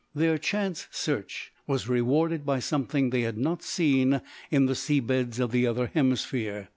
Their chance search was rewarded by something they had not seen in the sea beds of the other hemisphere.